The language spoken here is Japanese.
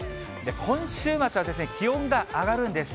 今週末は気温が上がるんです。